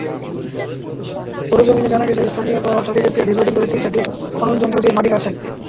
সরেজমিনে জানা গেছে, স্থানীয় প্রভাবশালী ব্যক্তিরা দীর্ঘদিন ধরে তিন-চারটি খননযন্ত্র দিয়ে মাটি কাটছেন।